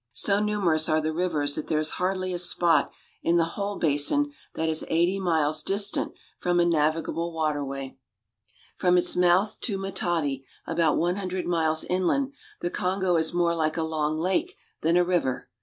So numerous are the rivers that there is hardly a spot in the whole basin that is eighty miles distant from a navigable water way. ^^W^ '^"f^ii^ ^Aihmmsmad i village. From its mouth to Matadi, about one hundred miles inland, the Kongo is more like a long lake than a river.